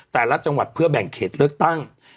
แต่ละจังหวัดเพื่อแบ่งเขตเลือกตั้ง